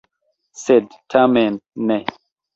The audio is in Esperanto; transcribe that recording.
Sed tamen ne!